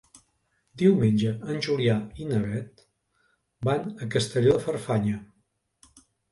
Diumenge en Julià i na Beth van a Castelló de Farfanya.